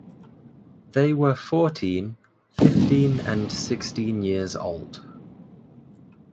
They were fourteen, fifteen and sixteen years old.